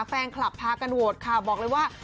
แฟนคลับพากันโหวตค่ะบอกเลยว่า